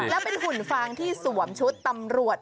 แล้วเป็นหุ่นฟางที่สวมชุดตำรวจ